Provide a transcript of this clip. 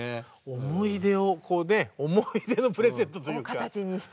思い出をこうね思い出のプレゼントというか。を形にして。